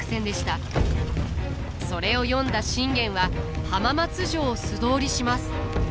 それを読んだ信玄は浜松城を素通りします。